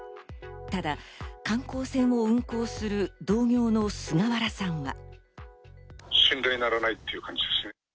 ただ観光船を運営する同業の菅原さんは。